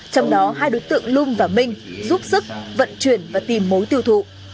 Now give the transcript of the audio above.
trong đó hai đối tượng lung và minh giúp sức vận chuyển và tìm mối tiêu thụ